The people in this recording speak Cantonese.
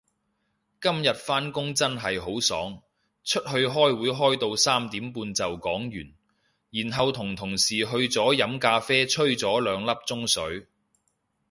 今日返工真係好爽，出去開會開到三點半就講完，然後同同事去咗飲咖啡吹咗兩粒鐘水